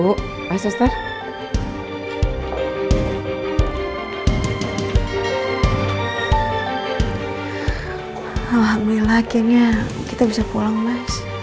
alhamdulillah akhirnya kita bisa pulang mas aku udah kangen banget tau sama rina sehari gak ketemu sama rina sehari gak ketemu sama rina sehari gak ketemu